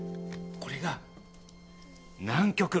これが南極。